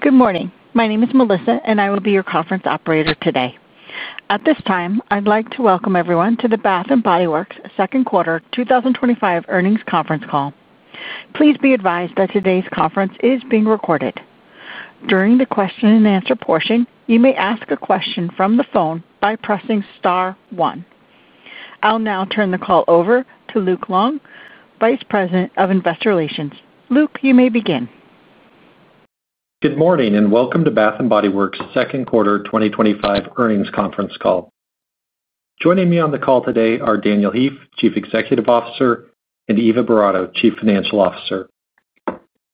Good morning. My name is Melissa, and I will be your conference operator today. At this time, I'd like to welcome everyone to the Bath & Body Works Second Quarter 2025 Earnings Conference Call. Please be advised that today's conference is being recorded. During the question and answer portion, you may ask a question from the phone by pressing star one. I'll now turn the call over to Luke Long, Vice President of Investor Relations. Luke, you may begin. Good morning and welcome to Bath & Body Works' second quarter 2025 earnings conference call. Joining me on the call today are Daniel Heaf, Chief Executive Officer, and Eva Boratto, Chief Financial Officer.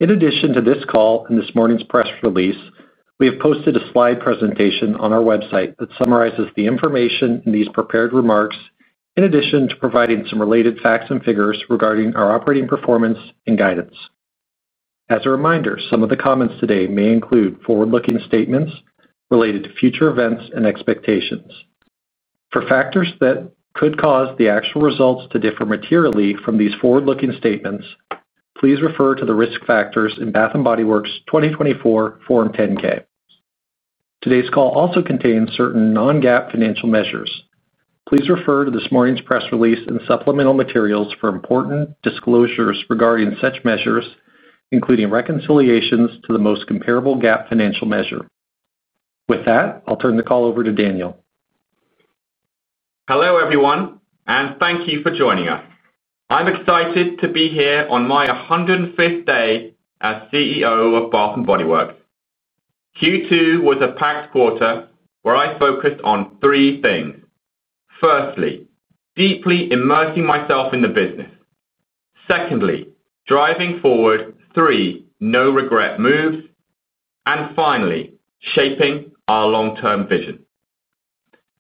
In addition to this call and this morning's press release, we have posted a slide presentation on our website that summarizes the information in these prepared remarks, in addition to providing some related facts and figures regarding our operating performance and guidance. As a reminder, some of the comments today may include forward-looking statements related to future events and expectations. For factors that could cause the actual results to differ materially from these forward-looking statements, please refer to the risk factors in Bath & Body Works' 2024 Form 10-K. Today's call also contains certain non-GAAP financial measures. Please refer to this morning's press release and supplemental materials for important disclosures regarding such measures, including reconciliations to the most comparable GAAP financial measure. With that, I'll turn the call over to Daniel. Hello, everyone, and thank you for joining us. I'm excited to be here on my 105th day as CEO of Bath & Body Works. Q2 was a packed quarter where I focused on three things. Firstly, deeply immersing myself in the business. Secondly, driving forward three no-regret moves. Finally, shaping our long-term vision.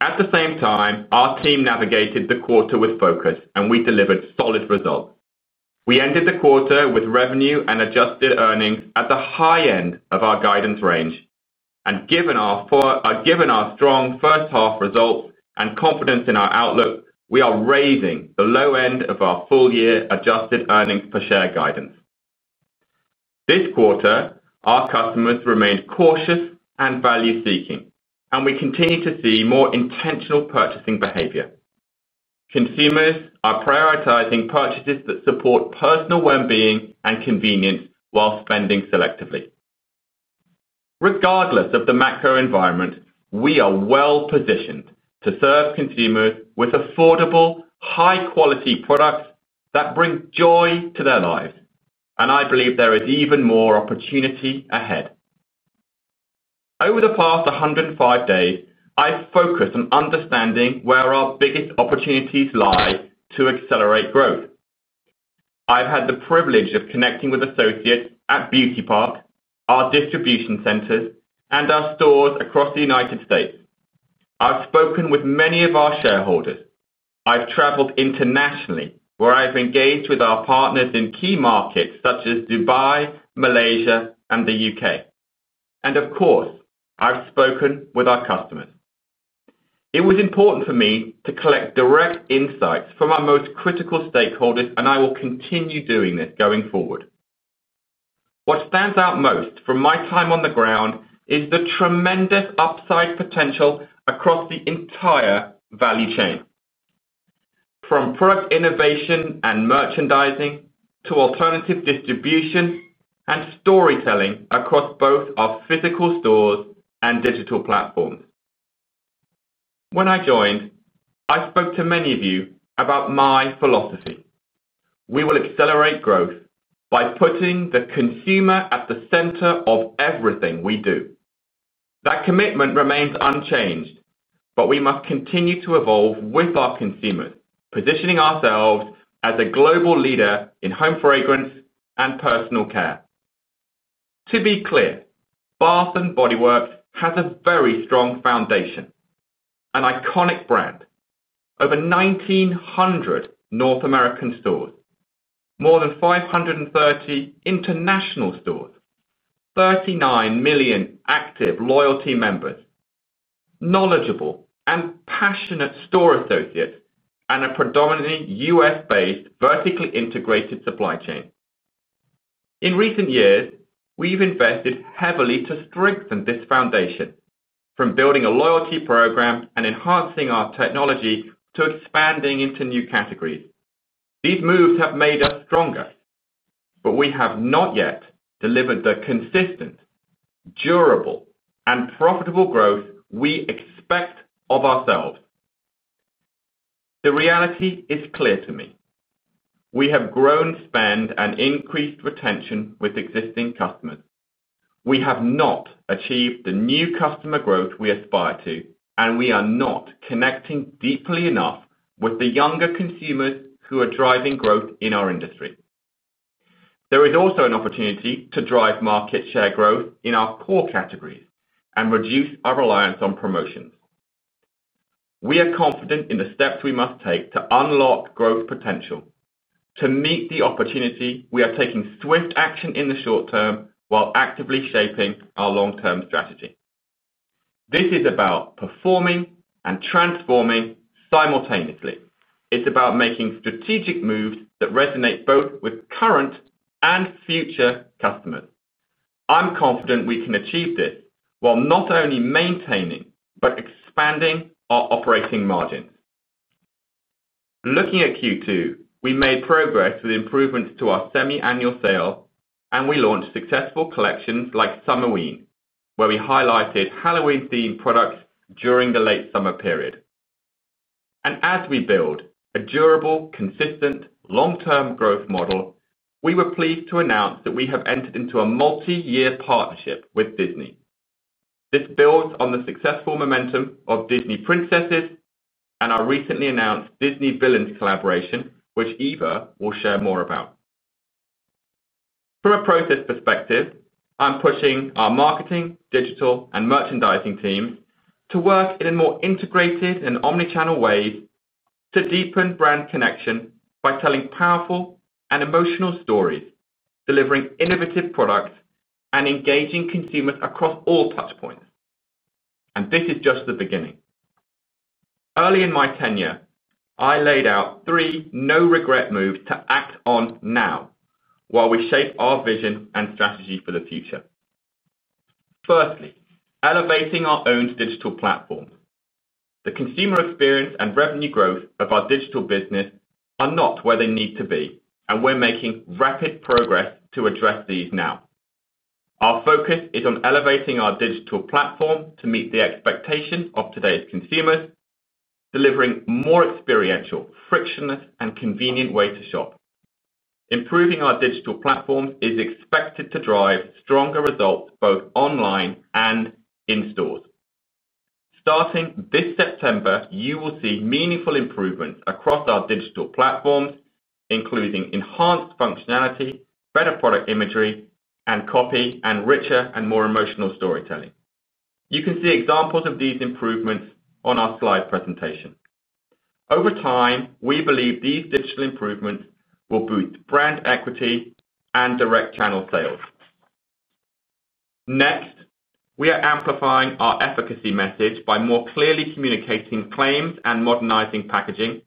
At the same time, our team navigated the quarter with focus, and we delivered solid results. We ended the quarter with revenue and adjusted earnings at the high end of our guidance range. Given our strong first half result and confidence in our outlook, we are raising the low end of our full year adjusted earnings per share guidance. This quarter, our customers remained cautious and value-seeking, and we continue to see more intentional purchasing behavior. Consumers are prioritizing purchases that support personal well-being and convenience while spending selectively. Regardless of the macro environment, we are well positioned to serve consumers with affordable, high-quality products that bring joy to their lives. I believe there is even more opportunity ahead. Over the past 105 days, I've focused on understanding where our biggest opportunities lie to accelerate growth. I've had the privilege of connecting with associates at Beauty Park, our distribution centers, and our stores across the U.S. I've spoken with many of our shareholders. I've traveled internationally, where I've engaged with our partners in key markets such as Dubai, Malaysia, and the UK. Of course, I've spoken with our customers. It was important for me to collect direct insights from our most critical stakeholders, and I will continue doing this going forward. What stands out most from my time on the ground is the tremendous upside potential across the entire value chain, from product innovation and merchandising to alternative distribution and storytelling across both our physical stores and digital platforms. When I joined, I spoke to many of you about my philosophy. We will accelerate growth by putting the consumer at the center of everything we do. That commitment remains unchanged, but we must continue to evolve with our consumers, positioning ourselves as a global leader in home fragrance and personal care. To be clear, Bath & Body Works has a very strong foundation. An iconic brand. Over 1,900 North American stores. More than 530 international stores. 39 million active loyalty members. Knowledgeable and passionate store associates, and a predominantly U.S.-based vertically integrated supply chain. In recent years, we've invested heavily to strengthen this foundation, from building a loyalty program and enhancing our technology to expanding into new categories. These moves have made us stronger, but we have not yet delivered the consistent, durable, and profitable growth we expect of ourselves. The reality is clear to me. We have grown spend and increased retention with existing customers. We have not achieved the new customer growth we aspire to, and we are not connecting deeply enough with the younger consumers who are driving growth in our industry. There is also an opportunity to drive market share growth in our core categories and reduce our reliance on promotions. We are confident in the steps we must take to unlock growth potential. To meet the opportunity, we are taking swift action in the short term while actively shaping our long-term strategy. This is about performing and transforming simultaneously. It's about making strategic moves that resonate both with current and future customers. I'm confident we can achieve this while not only maintaining but expanding our operating margins. Looking at Q2, we made progress with improvements to our semi-annual sales, and we launched successful collections like Summerween, where we highlighted Halloween-themed products during the late summer period. As we build a durable, consistent, long-term growth model, we were pleased to announce that we have entered into a multi-year partnership with Disney. This builds on the successful momentum of Disney Princess and our recently announced Disney Villains collaboration, which Eva will share more about. From a process perspective, I'm pushing our marketing, digital, and merchandising teams to work in a more integrated and omnichannel way to deepen brand connection by telling powerful and emotional stories, delivering innovative products, and engaging consumers across all touchpoints. This is just the beginning. Early in my tenure, I laid out three no-regret moves to act on now while we shape our vision and strategy for the future. Firstly, elevating our own digital platform. The consumer experience and revenue growth of our digital business are not where they need to be, and we're making rapid progress to address these now. Our focus is on elevating our digital platform to meet the expectations of today's consumers, delivering a more experiential, frictionless, and convenient way to shop. Improving our digital platform is expected to drive stronger results both online and in stores. Starting this September, you will see meaningful improvements across our digital platforms, including enhanced functionality, better product imagery and copy, and richer and more emotional storytelling. You can see examples of these improvements on our slide presentation. Over time, we believe these digital improvements will boost brand equity and direct channel sales. Next, we are amplifying our efficacy message by more clearly communicating claims and modernizing packaging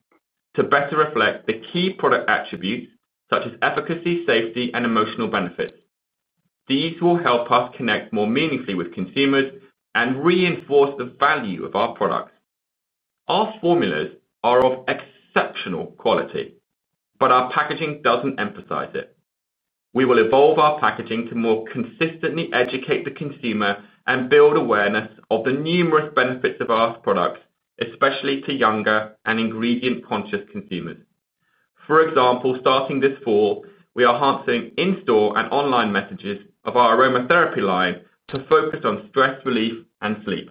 to better reflect the key product attributes such as efficacy, safety, and emotional benefit. These will help us connect more meaningfully with consumers and reinforce the value of our products. Our formulas are of exceptional quality, but our packaging doesn't emphasize it. We will evolve our packaging to more consistently educate the consumer and build awareness of the numerous benefits of our products, especially to younger and ingredient-conscious consumers. For example, starting this fall, we are enhancing in-store and online messages of our aromatherapy line to focus on stress relief and sleep.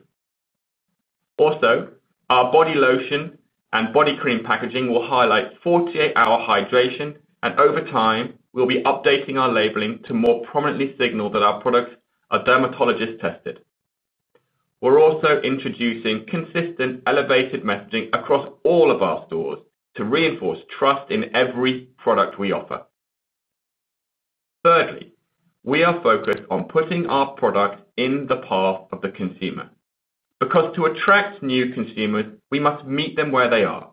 Also, our body lotion and body cream packaging will highlight 48-hour hydration, and over time, we'll be updating our labeling to more prominently signal that our products are dermatologist-tested. We're also introducing consistent elevated messaging across all of our stores to reinforce trust in every product we offer. Thirdly, we are focused on putting our product in the path of the consumer. Because to attract new consumers, we must meet them where they are.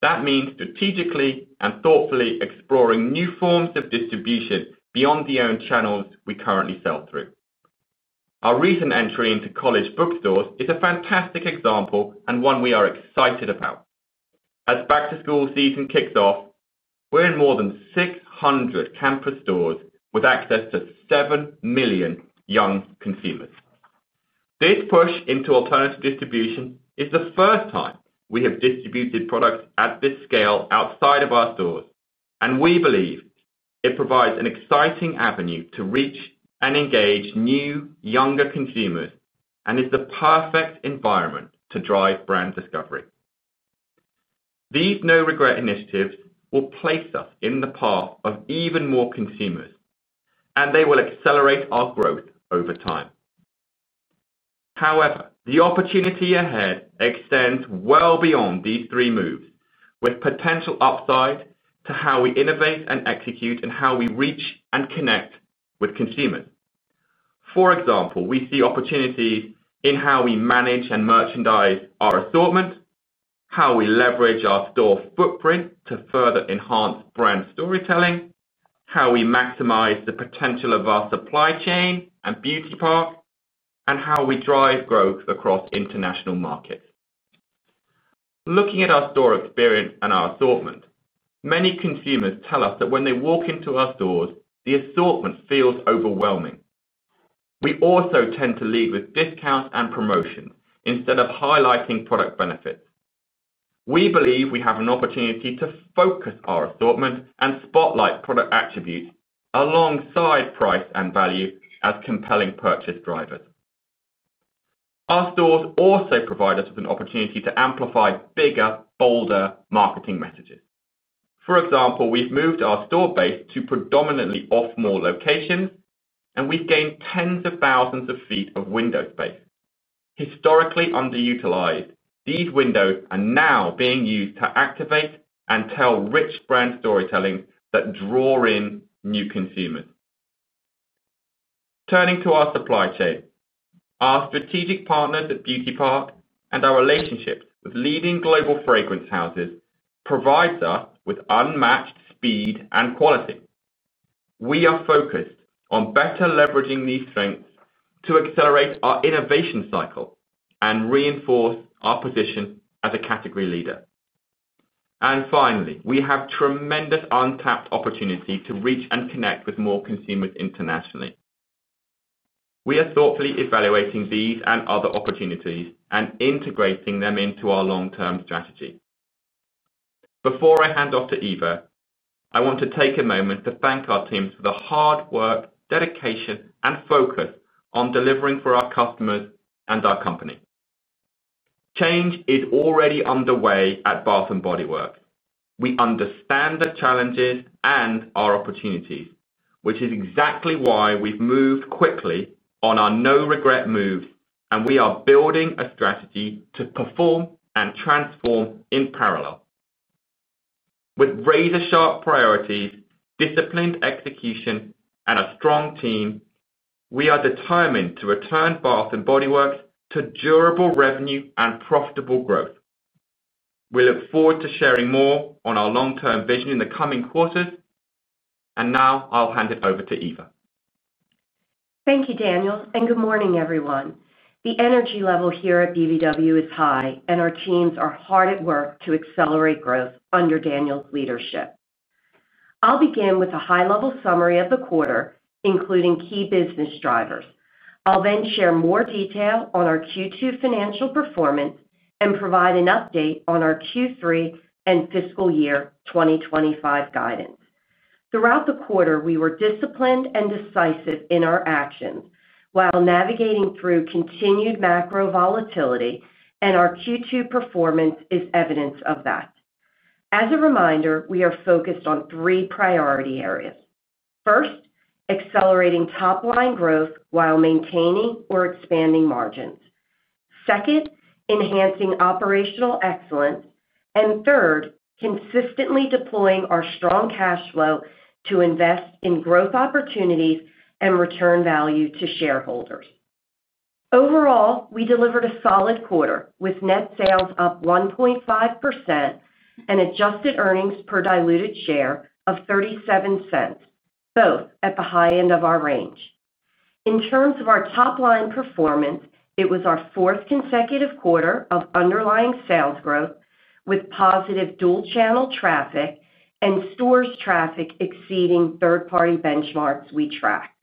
That means strategically and thoughtfully exploring new forms of distribution beyond the own channels we currently sell through. Our recent entry into college bookstores is a fantastic example and one we are excited about. As back-to-school season kicks off, we're in more than 600 campus stores with access to 7 million young consumers. This push into alternative distribution is the first time we have distributed products at this scale outside of our stores, and we believe it provides an exciting avenue to reach and engage new, younger consumers and is the perfect environment to drive brand discovery. These no-regret initiatives will place us in the path of even more consumers, and they will accelerate our growth over time. However, the opportunity ahead extends well beyond these three moves, with potential upside to how we innovate and execute and how we reach and connect with consumers. For example, we see opportunities in how we manage and merchandise our assortment, how we leverage our store footprint to further enhance brand storytelling, how we maximize the potential of our supply chain and Beauty Park, and how we drive growth across international markets. Looking at our store experience and our assortment, many consumers tell us that when they walk into our stores, the assortment feels overwhelming. We also tend to lead with discounts and promotions instead of highlighting product benefits. We believe we have an opportunity to focus our assortment and spotlight product attributes alongside price and value as compelling purchase drivers. Our stores also provide us with an opportunity to amplify bigger, bolder marketing messages. For example, we've moved our store base to predominantly offshore locations, and we've gained tens of thousands of feet of window space. Historically underutilized, these windows are now being used to activate and tell rich brand storytelling that draws in new consumers. Turning to our supply chain, our strategic partners at Beauty Park and our relationship with leading global fragrance houses provide us with unmatched speed and quality. We are focused on better leveraging these strengths to accelerate our innovation cycle and reinforce our position as a category leader. We have tremendous untapped opportunity to reach and connect with more consumers internationally. We are thoughtfully evaluating these and other opportunities and integrating them into our long-term strategy. Before I hand off to Eva, I want to take a moment to thank our teams for the hard work, dedication, and focus on delivering for our customers and our company. Change is already underway at Bath & Body Works. We understand the challenges and our opportunities, which is exactly why we've moved quickly on our no-regret moves, and we are building a strategy to perform and transform in parallel. With razor-sharp priorities, disciplined execution, and a strong team, we are determined to return Bath & Body Works to durable revenue and profitable growth. We look forward to sharing more on our long-term vision in the coming quarters. I'll hand it over to Eva. Thank you, Daniel, and good morning, everyone. The energy level here at Bath & Body Works is high, and our teams are hard at work to accelerate growth under Daniel's leadership. I'll begin with a high-level summary of the quarter, including key business drivers. I'll then share more detail on our Q2 financial performance and provide an update on our Q3 and fiscal year 2025 guidance. Throughout the quarter, we were disciplined and decisive in our actions while navigating through continued macro volatility, and our Q2 performance is evidence of that. As a reminder, we are focused on three priority areas. First, accelerating top-line growth while maintaining or expanding margins. Second, enhancing operational excellence. Third, consistently deploying our strong cash flow to invest in growth opportunities and return value to shareholders. Overall, we delivered a solid quarter with net sales up 1.5% and adjusted earnings per diluted share of $0.37, both at the high end of our range. In terms of our top-line performance, it was our fourth consecutive quarter of underlying sales growth with positive dual-channel traffic and stores traffic exceeding third-party benchmarks we track.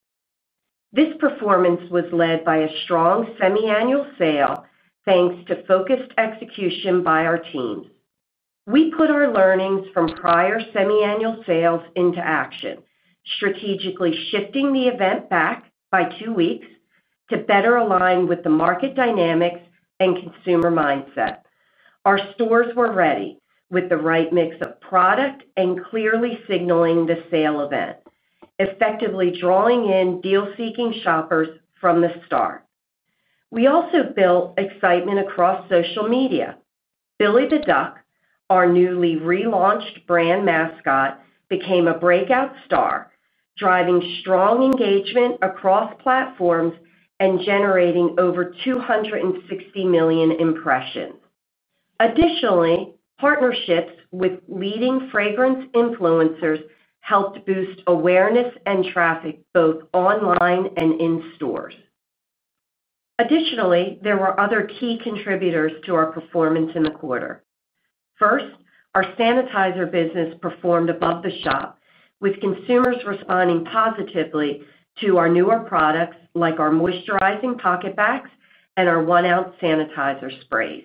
This performance was led by a strong semi-annual sale, thanks to focused execution by our team. We put our learnings from prior semi-annual sales into action, strategically shifting the event back by two weeks to better align with the market dynamics and consumer mindset. Our stores were ready with the right mix of product and clearly signaling the sale event, effectively drawing in deal-seeking shoppers from the start. We also built excitement across social media. Billy the Duck, our newly relaunched brand mascot, became a breakout star, driving strong engagement across platforms and generating over 260 million impressions. Additionally, partnerships with leading fragrance influencers helped boost awareness and traffic both online and in stores. There were other key contributors to our performance in the quarter. First, our sanitizer business performed above the shop, with consumers responding positively to our newer products like our moisturizing pocket bags and our one-ounce sanitizer sprays.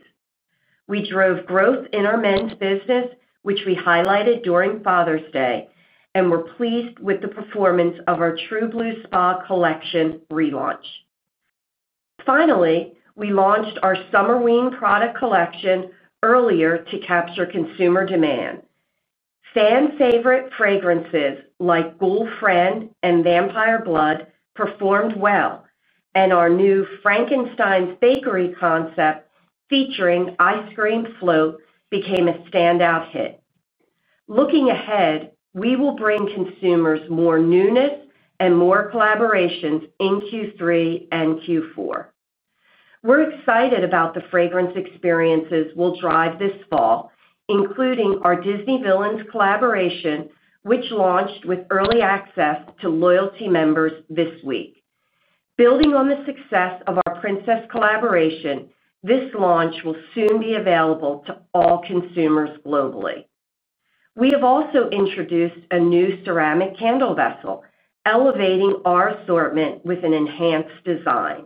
We drove growth in our men's business, which we highlighted during Father's Day, and were pleased with the performance of our True Blue Spa collection relaunch. Finally, we launched our Summerween product collection earlier to capture consumer demand. Fan-favorite fragrances like Ghoul Friend and Vampire Blood performed well, and our new Frankenstein's Bakery concept featuring ice cream float became a standout hit. Looking ahead, we will bring consumers more newness and more collaborations in Q3 and Q4. We're excited about the fragrance experiences we'll drive this fall, including our Disney Villains collaboration, which launched with early access to loyalty members this week. Building on the success of our Disney Princess collaboration, this launch will soon be available to all consumers globally. We have also introduced a new ceramic candle vessel, elevating our assortment with an enhanced design.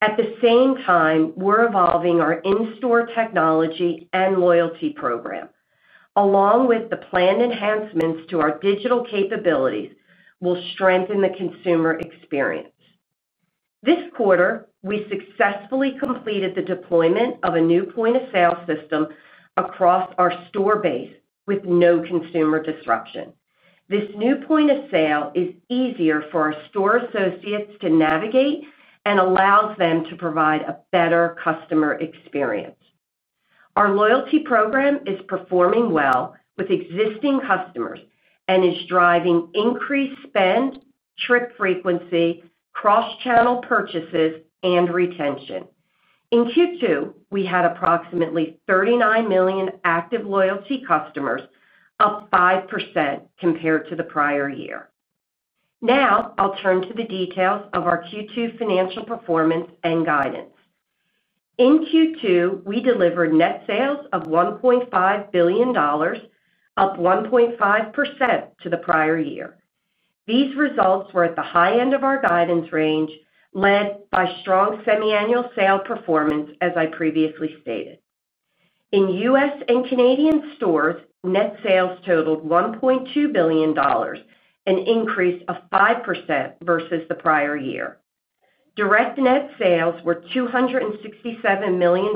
At the same time, we're evolving our in-store technology and loyalty program. Along with the planned enhancements to our digital capabilities, we'll strengthen the consumer experience. This quarter, we successfully completed the deployment of a new point-of-sale system across our store base with no consumer disruption. This new point-of-sale is easier for our store associates to navigate and allows them to provide a better customer experience. Our loyalty program is performing well with existing customers and is driving increased spend, trip frequency, cross-channel purchases, and retention. In Q2, we had approximately 39 million active loyalty customers, up 5% compared to the prior year. Now, I'll turn to the details of our Q2 financial performance and guidance. In Q2, we delivered net sales of $1.5 billion, up 1.5% to the prior year. These results were at the high end of our guidance range, led by strong semi-annual sale performance, as I previously stated. In U.S. and Canadian stores, net sales totaled $1.2 billion, an increase of 5% versus the prior year. Direct net sales were $267 million,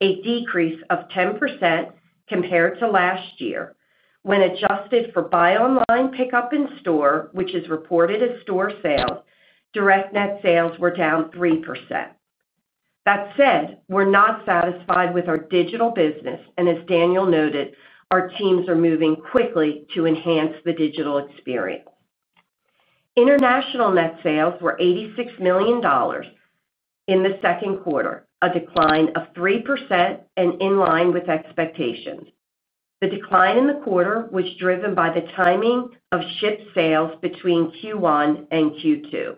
a decrease of 10% compared to last year. When adjusted for buy online, pick up in store, which is reported as store sales, direct net sales were down 3%. That said, we're not satisfied with our digital business, and as Daniel noted, our teams are moving quickly to enhance the digital experience. International net sales were $86 million in the second quarter, a decline of 3% and in line with expectations. The decline in the quarter was driven by the timing of ship sales between Q1 and Q2.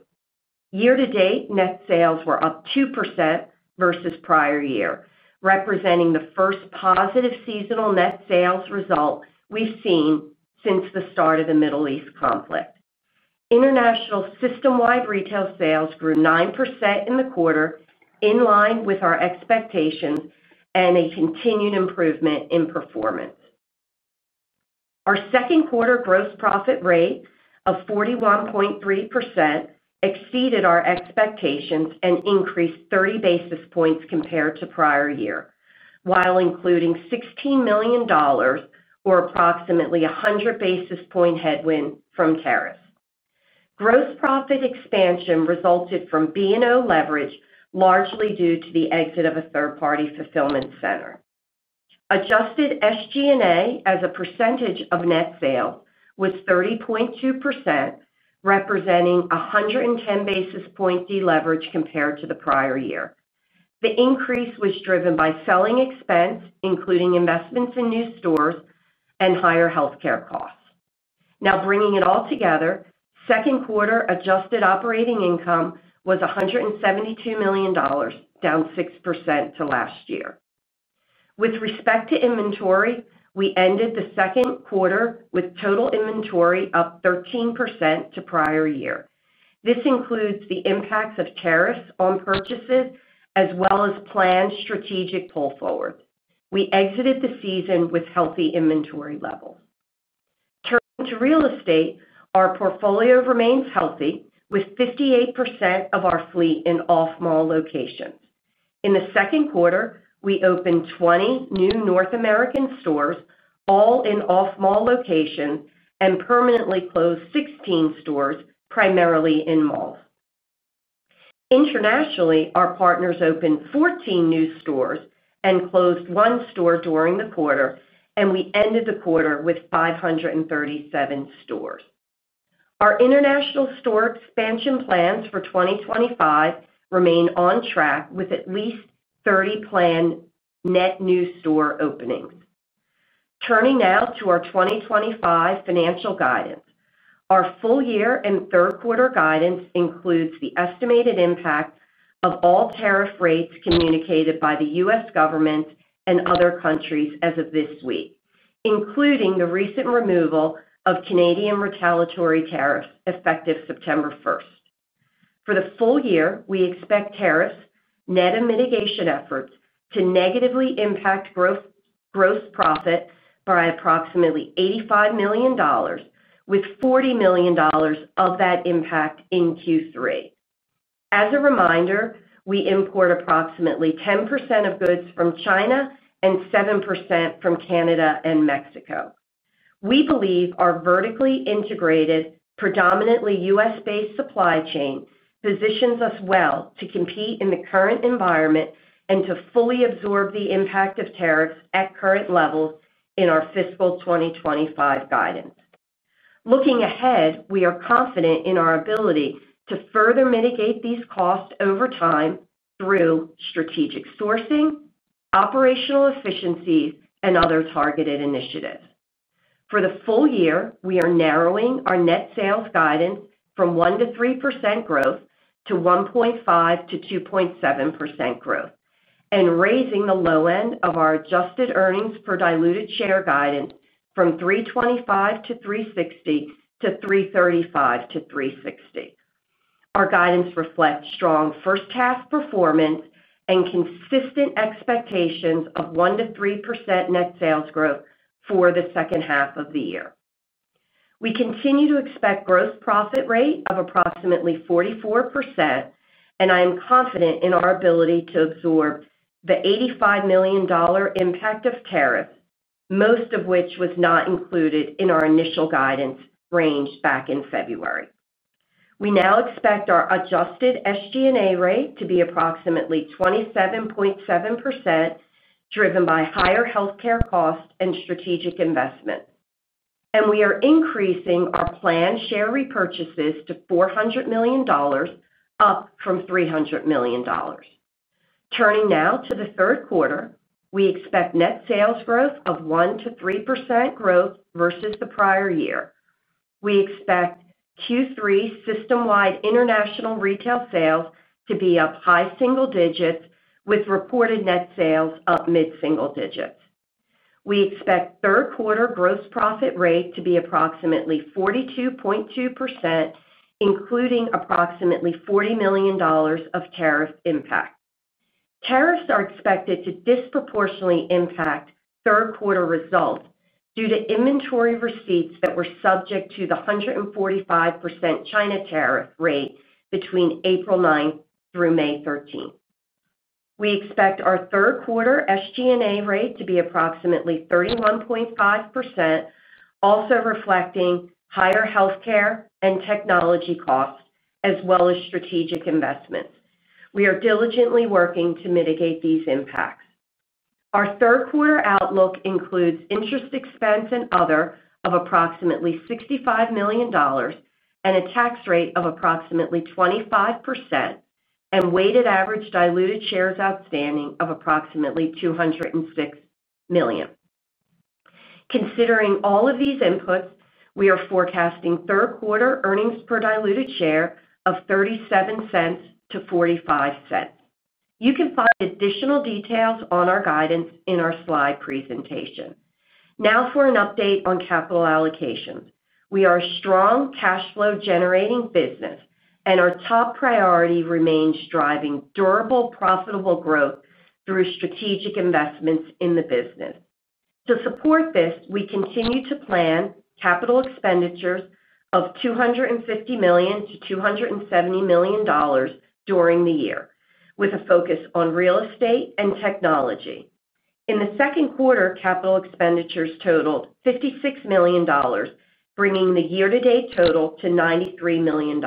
Year-to-date, net sales were up 2% versus prior year, representing the first positive seasonal net sales result we've seen since the start of the Middle East conflict. International system-wide retail sales grew 9% in the quarter, in line with our expectations and a continued improvement in performance. Our second quarter gross profit rate of 41.3% exceeded our expectations and increased 30 basis points compared to prior year, while including $16 million or approximately 100 basis point headwind from tariffs. Gross profit expansion resulted from SG&A leverage, largely due to the exit of a third-party fulfillment center. Adjusted SG&A as a percentage of net sales was 30.2%, representing 110 basis point deleverage compared to the prior year. The increase was driven by selling expense, including investments in new stores and higher health care costs. Now, bringing it all together, second quarter adjusted operating income was $172 million, down 6% to last year. With respect to inventory, we ended the second quarter with total inventory up 13% to prior year. This includes the impacts of tariffs on purchases as well as planned strategic pull forward. We exited the season with healthy inventory levels. Turning to real estate, our portfolio remains healthy, with 58% of our fleet in all small locations. In the second quarter, we opened 20 new North American stores, all in all small locations, and permanently closed 16 stores, primarily in malls. Internationally, our partners opened 14 new stores and closed one store during the quarter, and we ended the quarter with 537 stores. Our international store expansion plans for 2025 remain on track with at least 30 planned net new store openings. Turning now to our 2025 financial guidance. Our full year and third quarter guidance includes the estimated impact of all tariff rates communicated by the U.S. government and other countries as of this week, including the recent removal of Canadian retaliatory tariffs effective September 1. For the full year, we expect tariffs net of mitigation efforts to negatively impact gross profit by approximately $85 million, with $40 million of that impact in Q3. As a reminder, we import approximately 10% of goods from China and 7% from Canada and Mexico. We believe our vertically integrated, predominantly U.S.-based supply chain positions us well to compete in the current environment and to fully absorb the impact of tariffs at current levels in our fiscal 2025 guidance. Looking ahead, we are confident in our ability to further mitigate these costs over time through strategic sourcing, operational efficiencies, and other targeted initiatives. For the full year, we are narrowing our net sales guidance from 1%-3% growth to 1.5%-2.7% growth and raising the low end of our adjusted earnings per diluted share guidance from $3.25-$3.60 to $3.35-$3.60. Our guidance reflects strong first-half performance and consistent expectations of 1% to 3% net sales growth for the second half of the year. We continue to expect a gross profit rate of approximately 44%, and I am confident in our ability to absorb the $85 million impact of tariffs, most of which was not included in our initial guidance range back in February. We now expect our adjusted SG&A rate to be approximately 27.7%, driven by higher health care costs and strategic investment. We are increasing our planned share repurchases to $400 million, up from $300 million. Turning now to the third quarter, we expect net sales growth of 1%-3% growth versus the prior year. We expect Q3 system-wide international retail sales to be up high single digits, with reported net sales up mid-single digits. We expect the third quarter gross profit rate to be approximately 42.2%, including approximately $40 million of tariff impact. Tariffs are expected to disproportionately impact third-quarter results due to inventory receipts that were subject to the 14.5% China tariff rate between April 9 through May 13. We expect our third-quarter SG&A rate to be approximately 31.5%, also reflecting higher health care and technology costs, as well as strategic investments. We are diligently working to mitigate these impacts. Our third-quarter outlook includes interest expense and other of approximately $65 million and a tax rate of approximately 25% and weighted average diluted shares outstanding of approximately 206 million. Considering all of these inputs, we are forecasting third-quarter earnings per diluted share of $0.37-$0.45. You can find additional details on our guidance in our slide presentation. Now for an update on capital allocations. We are a strong cash-flow-generating business, and our top priority remains driving durable, profitable growth through strategic investments in the business. To support this, we continue to plan capital expenditures of $250 million-$270 million during the year, with a focus on real estate and technology. In the second quarter, capital expenditures totaled $56 million, bringing the year-to-date total to $93 million.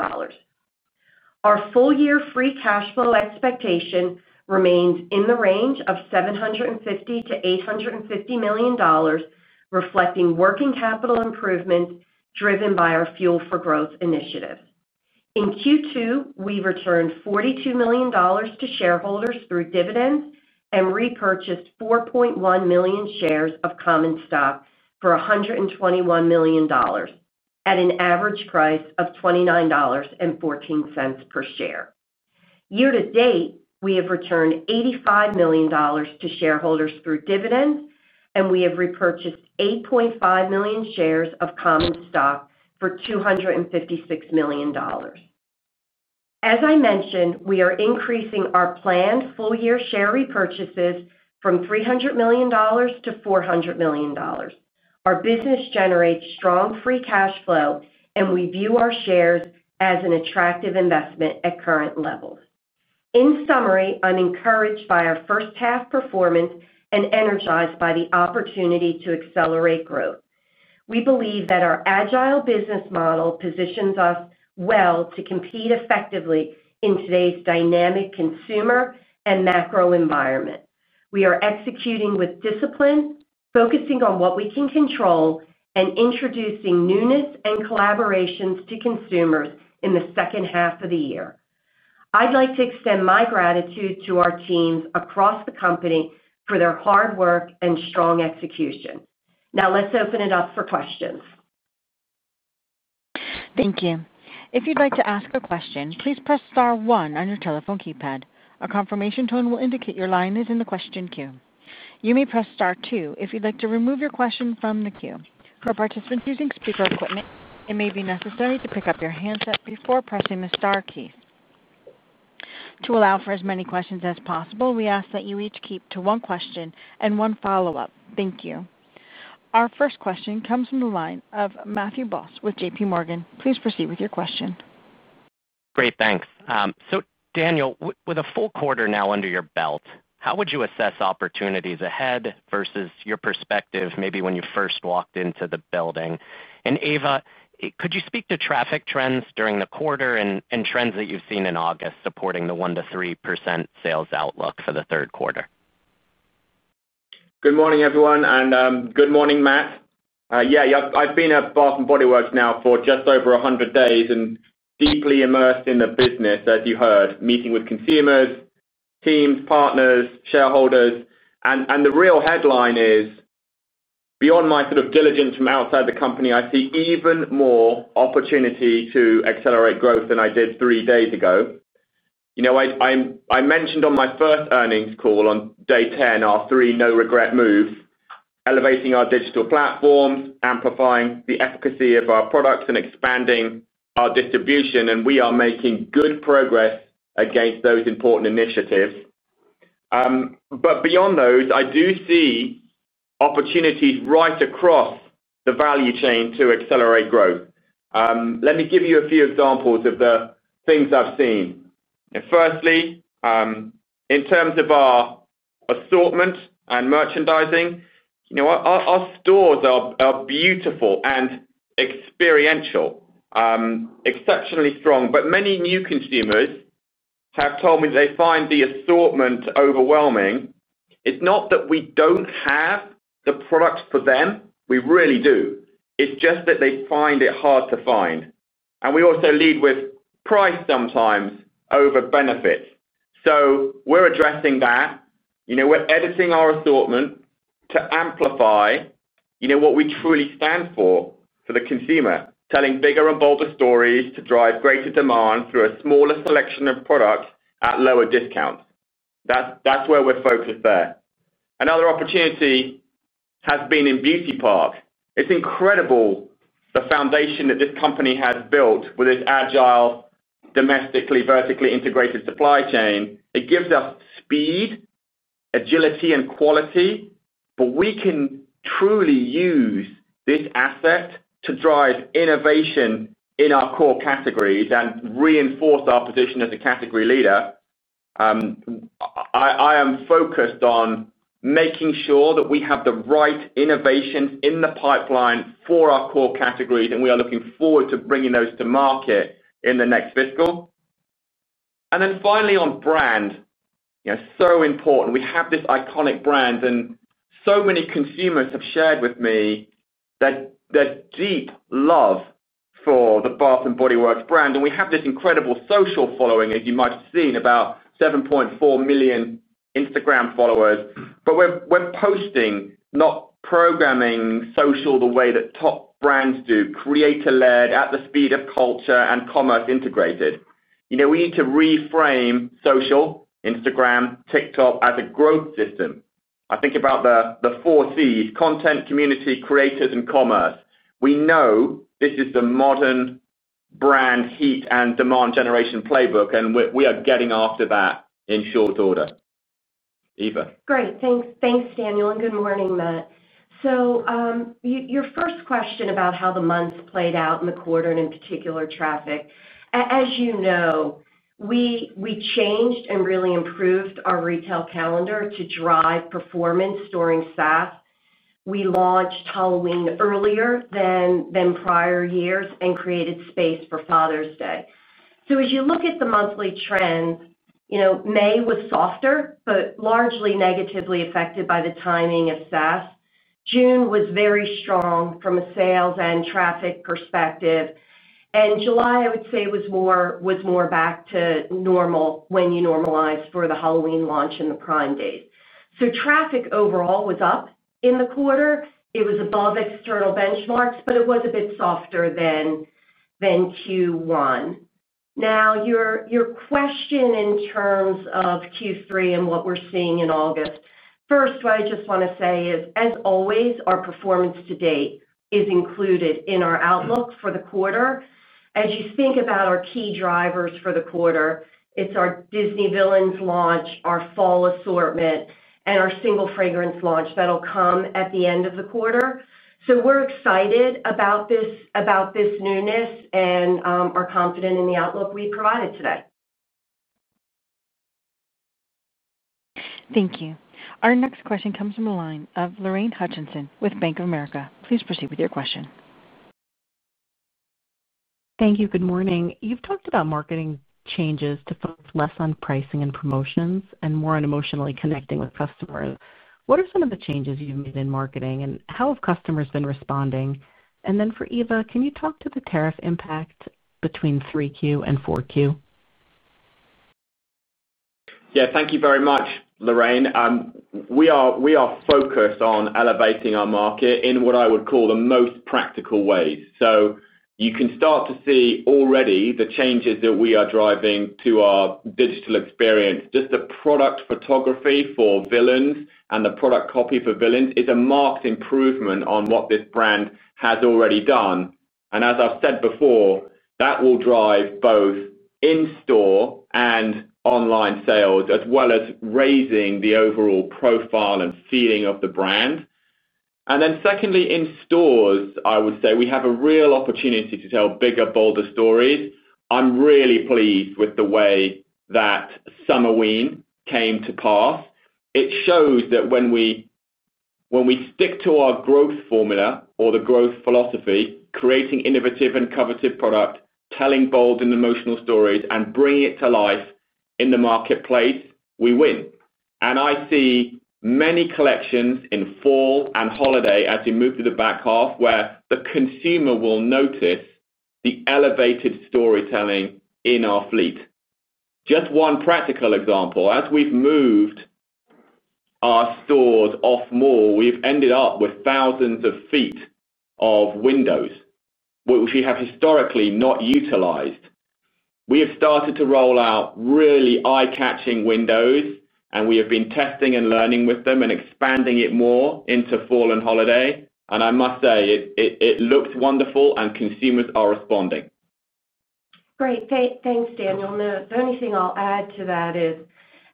Our full-year free cash flow expectation remains in the range of $750 million-$850 million, reflecting working capital improvements driven by our fuel for growth initiatives. In Q2, we returned $42 million to shareholders through dividends and repurchased 4.1 million shares of Common Stock for $121 million at an average price of $29.14 per share. Year-to-date, we have returned $85 million to shareholders through dividends, and we have repurchased 8.5 million shares of Common Stock for $256 million. As I mentioned, we are increasing our planned full-year share repurchases from $300 million-$400 million. Our business generates strong free cash flow, and we view our shares as an attractive investment at current levels. In summary, I'm encouraged by our first-half performance and energized by the opportunity to accelerate growth. We believe that our agile business model positions us well to compete effectively in today's dynamic consumer and macro environment. We are executing with discipline, focusing on what we can control, and introducing newness and collaborations to consumers in the second half of the year. I'd like to extend my gratitude to our teams across the company for their hard work and strong execution. Now, let's open it up for questions. Thank you. If you'd like to ask a question, please press star one on your telephone keypad. A confirmation tone will indicate your line is in the question queue. You may press star two if you'd like to remove your question from the queue. For participants using speaker equipment, it may be necessary to pick up your handset before pressing the star key. To allow for as many questions as possible, we ask that you each keep to one question and one follow-up. Thank you. Our first question comes from the line of Matthew Boss with JP Morgan. Please proceed with your question. Great, thanks. Daniel, with a full quarter now under your belt, how would you assess opportunities ahead versus your perspective maybe when you first walked into the building? Eva, could you speak to traffic trends during the quarter and trends that you've seen in August supporting the 1%-3% sales outlook for the third quarter? Good morning, everyone, and good morning, Matt. I've been at Bath & Body Works now for just over 100 days and deeply immersed in the business, as you heard, meeting with consumers, teams, partners, shareholders. The real headline is, beyond my sort of diligence from outside the company, I see even more opportunity to accelerate growth than I did three days ago. I mentioned on my first earnings call on day 10 our three no-regret moves: elevating our digital platforms, amplifying the efficacy of our products, and expanding our distribution. We are making good progress against those important initiatives. Beyond those, I do see opportunities right across the value chain to accelerate growth. Let me give you a few examples of the things I've seen. Firstly, in terms of our assortment and merchandising, our stores are beautiful and experiential, exceptionally strong. Many new consumers have told me they find the assortment overwhelming. It's not that we don't have the products for them. We really do. It's just that they find it hard to find. We also lead with price sometimes over benefits. We are addressing that. We are editing our assortment to amplify what we truly stand for for the consumer, telling bigger and bolder stories to drive greater demand through a smaller selection of products at lower discounts. That's where we're focused there. Another opportunity has been in Beauty Park. It's incredible, the foundation that this company has built with its agile, domestically, vertically integrated supply chain. It gives us speed, agility, and quality. We can truly use this asset to drive innovation in our core categories and reinforce our position as a category leader. I am focused on making sure that we have the right innovation in the pipeline for our core categories, and we are looking forward to bringing those to market in the next fiscal. Finally, on brand, so important. We have this iconic brand, and so many consumers have shared with me their deep love for the Bath & Body Works brand. We have this incredible social following, as you might have seen, about 7.4 million Instagram followers. We're posting, not programming social the way that top brands do, creator-led, at the speed of culture and commerce integrated. We need to reframe social, Instagram, TikTok as a growth system. I think about the four C's: content, community, creators, and commerce. We know this is the modern brand heat and demand generation playbook, and we are getting after that in short order. Eva. Great, thanks, Daniel, and good morning, Matt. Your first question about how the months played out in the quarter and in particular traffic. As you know, we changed and really improved our retail calendar to drive performance during SAS. We launched Halloween earlier than prior years and created space for Father's Day. As you look at the monthly trends, May was softer, but largely negatively affected by the timing of SAS. June was very strong from a sales and traffic perspective. July, I would say, was more back to normal when you normalized for the Halloween launch and the Prime Days. Traffic overall was up in the quarter. It was above external benchmarks, but it was a bit softer than Q1. Your question in terms of Q3 and what we're seeing in August. First, what I just want to say is, as always, our performance to date is included in our outlook for the quarter. As you think about our key drivers for the quarter, it's our Disney Villains launch, our fall assortment, and our single fragrance launch that'll come at the end of the quarter. We're excited about this newness and are confident in the outlook we provided today. Thank you. Our next question comes from the line of Lorraine Hutchinson with Bank of America. Please proceed with your question. Thank you. Good morning. You've talked about marketing changes to focus less on pricing and promotions and more on emotionally connecting with customers. What are some of the changes you've made in marketing, and how have customers been responding? For Eva, can you talk to the tariff impact between 3Q and 4Q? Thank you very much, Lorraine. We are focused on elevating our market in what I would call the most practical ways. You can start to see already the changes that we are driving to our digital experience. Just the product photography for Disney Villains and the product copy for Disney Villains is a marked improvement on what this brand has already done. As I've said before, that will drive both in-store and online sales, as well as raising the overall profile and feeling of the brand. Secondly, in stores, I would say we have a real opportunity to tell bigger, bolder stories. I'm really pleased with the way that Summerween came to pass. It shows that when we stick to our growth formula or the growth philosophy, creating innovative and coveted products, telling bold and emotional stories, and bringing it to life in the marketplace, we win. I see many collections in fall and holiday as you move to the back half, where the consumer will notice the elevated storytelling in our fleet. Just one practical example, as we've moved our stores off more, we've ended up with thousands of feet of windows, which we have historically not utilized. We have started to roll out really eye-catching windows, and we have been testing and learning with them and expanding it more into fall and holiday. I must say, it looks wonderful and consumers are responding. Great, thanks, Daniel. The only thing I'll add to that is,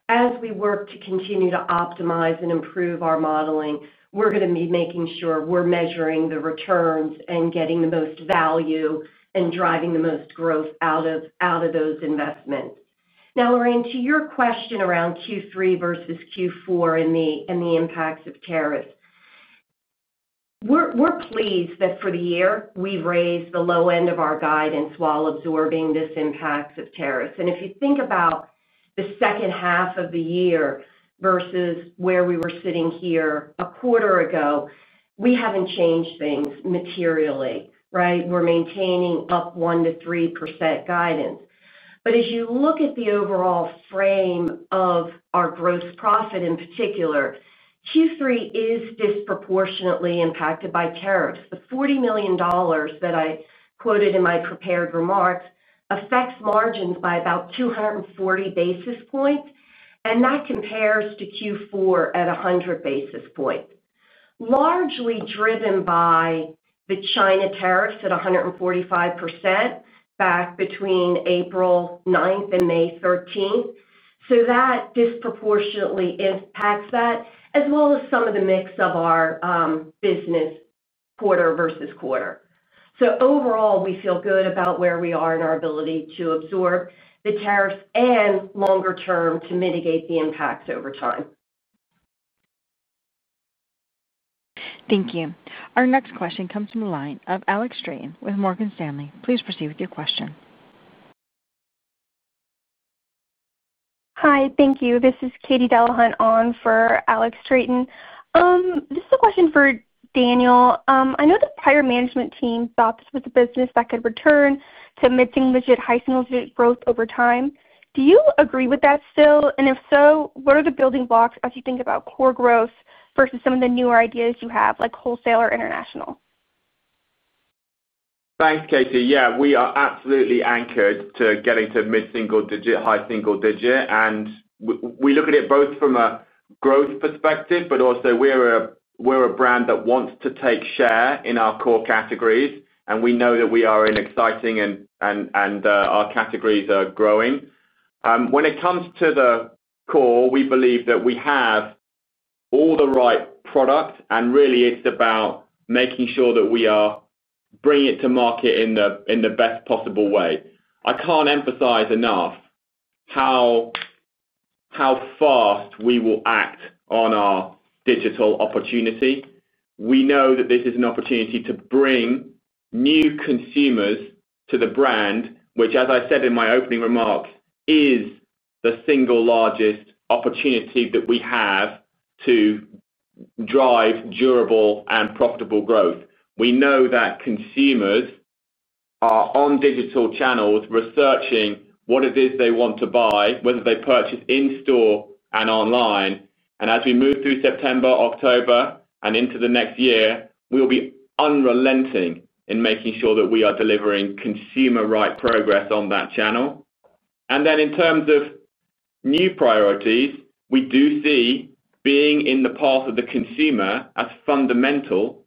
as we work to continue to optimize and improve our modeling, we're going to be making sure we're measuring the returns and getting the most value and driving the most growth out of those investments. Now, Lorraine, to your question around Q3 versus Q4 and the impacts of tariffs, we're pleased that for the year, we raised the low end of our guidance while absorbing these impacts of tariffs. If you think about the second half of the year versus where we were sitting here a quarter ago, we haven't changed things materially, right? We're maintaining up 1%-3% guidance. As you look at the overall frame of our gross profit in particular, Q3 is disproportionately impacted by tariffs. The $40 million that I quoted in my prepared remarks affects margins by about 240 basis points, and that compares to Q4 at 100 basis points, largely driven by the China tariffs at 14.5% back between April 9 and May 13. That disproportionately impacts that, as well as some of the mix of our business quarter versus quarter. Overall, we feel good about where we are in our ability to absorb the tariffs and longer term to mitigate the impacts over time. Thank you. Our next question comes from the line of Alex Straton with Morgan Stanley. Please proceed with your question. Hi, thank you. This is Katy Delahunt on for Alex Straton. This is a question for Daniel. I know the prior management team thought this was a business that could return to mid-single digit, high single digit growth over time. Do you agree with that still? If so, what are the building blocks as you think about core growth versus some of the newer ideas you have, like wholesale or international? Thanks, Katy. Yeah, we are absolutely anchored to getting to mid-single digit, high single digit. We look at it both from a growth perspective, but also we're a brand that wants to take share in our core categories, and we know that we are in exciting and our categories are growing. When it comes to the core, we believe that we have all the right products, and really, it's about making sure that we are bringing it to market in the best possible way. I can't emphasize enough how fast we will act on our digital opportunity. We know that this is an opportunity to bring new consumers to the brand, which, as I said in my opening remarks, is the single largest opportunity that we have to drive durable and profitable growth. We know that consumers are on digital channels researching what it is they want to buy, whether they purchase in-store and online. As we move through September, October, and into the next year, we will be unrelenting in making sure that we are delivering consumer-right progress on that channel. In terms of new priorities, we do see being in the path of the consumer as fundamental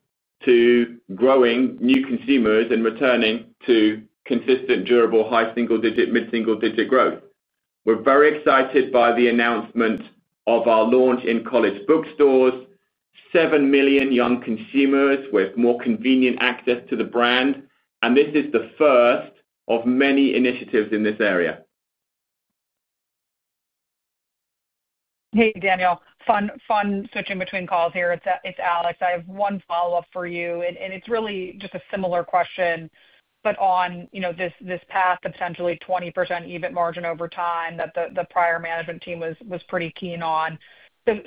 to growing new consumers and returning to consistent, durable, high single digit, mid-single digit growth. We're very excited by the announcement of our launch in college bookstores, 7 million young consumers with more convenient access to the brand. This is the first of many initiatives in this area. Hey, Daniel. Fun switching between calls here. It's Alex. I have one follow-up for you, and it's really just a similar question, but on this path, potentially 20% EBIT margin over time that the prior management team was pretty keen on.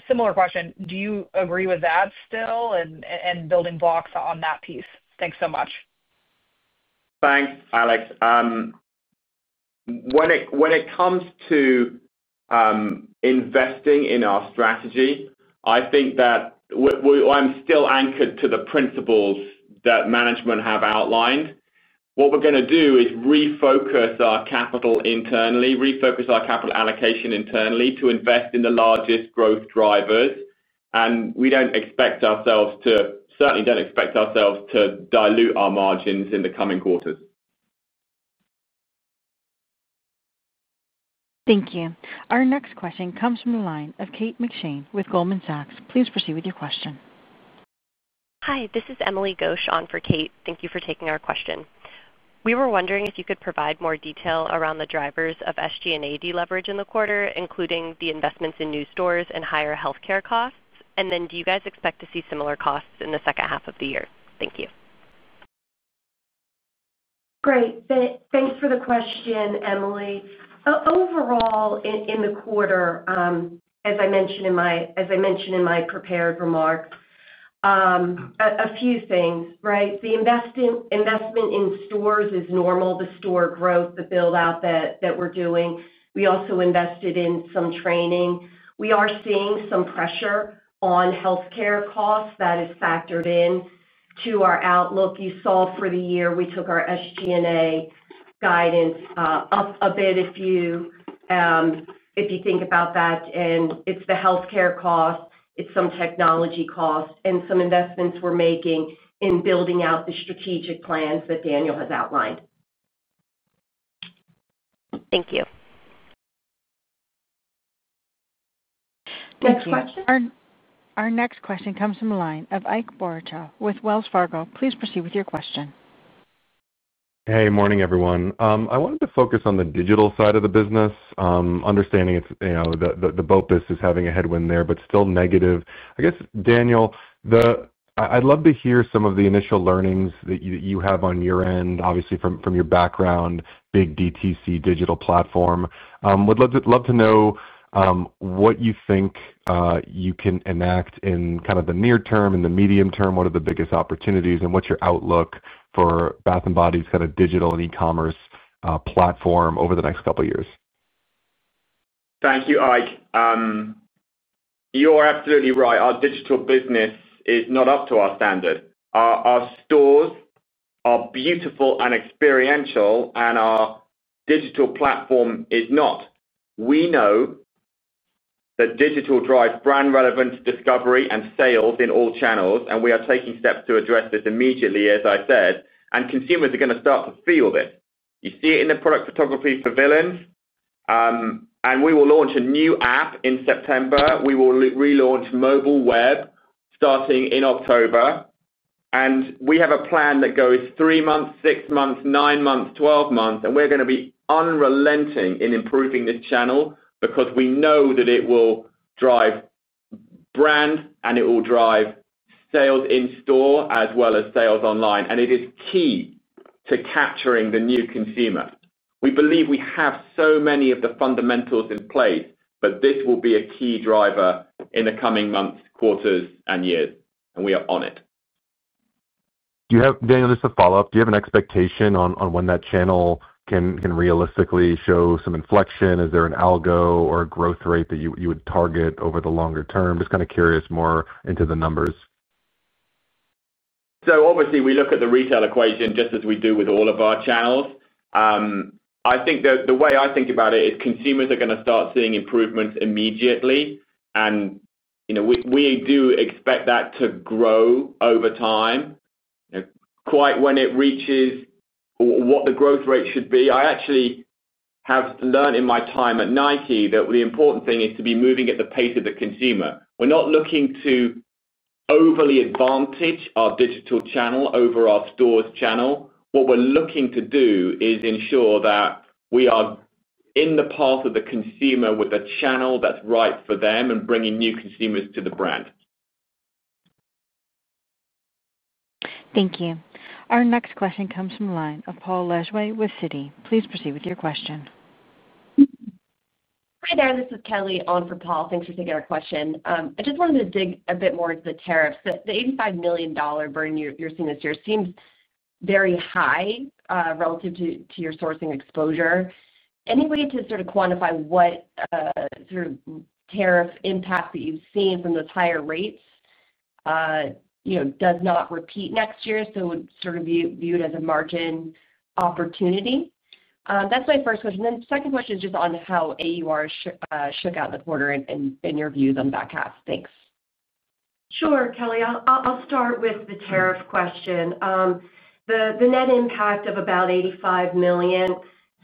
Similar question. Do you agree with that still and building blocks on that piece? Thanks so much. Thanks, Alex. When it comes to investing in our strategy, I think that I'm still anchored to the principles that management have outlined. What we're going to do is refocus our capital internally, refocus our capital allocation internally to invest in the largest growth drivers. We don't expect ourselves to certainly don't expect ourselves to dilute our margins in the coming quarters. Thank you. Our next question comes from the line of Kate McShane with Goldman Sachs. Please proceed with your question. Hi, this is Emily Ghosh on for Kate. Thank you for taking our question. We were wondering if you could provide more detail around the drivers of SG&A deleverage in the quarter, including the investments in new stores and higher health care costs. Do you guys expect to see similar costs in the second half of the year? Thank you. Great. Thanks for the question, Emily. Overall, in the quarter, as I mentioned in my prepared remarks, a few things, right? The investment in stores is normal, the store growth, the build-out that we're doing. We also invested in some training. We are seeing some pressure on health care costs that is factored into our outlook. You saw for the year, we took our SG&A guidance up a bit, if you think about that. It's the health care costs, it's some technology costs, and some investments we're making in building out the strategic plans that Daniel has outlined. Thank you. Next question? Our next question comes from the line of Ike Boruchow with Wells Fargo. Please proceed with your question. Hey, morning, everyone. I wanted to focus on the digital side of the business, understanding it's the BOPUS is having a headwind there, but still negative. I guess, Daniel, I'd love to hear some of the initial learnings that you have on your end, obviously from your background, big DTC digital platform. Would love to know what you think you can enact in kind of the near term and the medium term. What are the biggest opportunities and what's your outlook for Bath & Body Works' kind of digital and e-commerce platform over the next couple of years? Thank you, Ike. You are absolutely right. Our digital business is not up to our standard. Our stores are beautiful and experiential, and our digital platform is not. We know that digital drives brand relevance, discovery, and sales in all channels. We are taking steps to address this immediately, as I said. Consumers are going to start to feel this. You see it in the product photography for Disney Villains. We will launch a new app in September and relaunch mobile web starting in October. We have a plan that goes three months, six months, nine months, 12 months, and we are going to be unrelenting in improving this channel because we know that it will drive brand and it will drive sales in-store as well as sales online. It is key to capturing the new consumer. We believe we have so many of the fundamentals in place, but this will be a key driver in the coming months, quarters, and years, and we are on it. Do you have, Daniel, just a follow-up? Do you have an expectation on when that channel can realistically show some inflection? Is there an algo or a growth rate that you would target over the longer term? Just kind of curious more into the numbers. We look at the retail equation just as we do with all of our channels. I think the way I think about it is consumers are going to start seeing improvements immediately, and we do expect that to grow over time. Quite when it reaches what the growth rate should be, I actually have learned in my time at Nike that the important thing is to be moving at the pace of the consumer. We're not looking to overly advantage our digital channel over our stores' channel. What we're looking to do is ensure that we are in the path of the consumer with a channel that's right for them and bringing new consumers to the brand. Thank you. Our next question comes from the line of Paul Lejuez with Citi. Please proceed with your question. Hi there, this is Kelly on for Paul. Thanks for taking our question. I just wanted to dig a bit more into the tariffs. The $85 million burden you're seeing this year seems very high relative to your sourcing exposure. Any way to sort of quantify what sort of tariff impact that you've seen from those higher rates does not repeat next year, so it's sort of viewed as a margin opportunity? That's my first question. The second question is just on how AUR shook out the quarter and your views on the back half. Thanks. Sure, Kelly. I'll start with the tariff question. The net impact of about $85 million